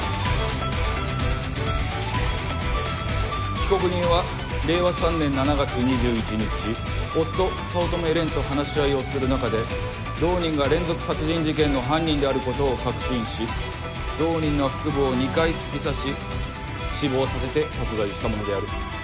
被告人は令和３年７月２１日夫早乙女蓮と話し合いをするなかで同人が連続殺人事件の犯人であることを確信し同人の腹部を２回突き刺し死亡させて殺害したものである。